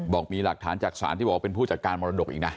บอกมีหลักฐานจากศาลที่บอกว่าเป็นผู้จัดการมรดกอีกนะ